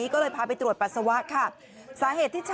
เย็นอ้าวเย็นอ้าวเย็น